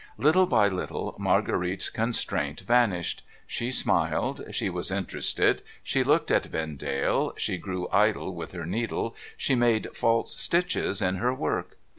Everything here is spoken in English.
Little by little. Marguerite's constraint vanished. She smiled, she was interested, she looked at Vendale, she grew idle with her needle, she made false stitches in her work.